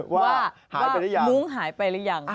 ว่ามุ้งหายไปหรือยัง